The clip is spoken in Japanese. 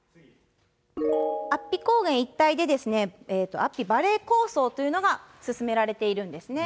安比高原一帯で、安比バレー構想というのが進められているんですね。